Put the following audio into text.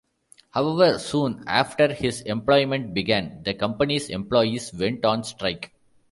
However, soon after his employment began, the company's employees went on strike.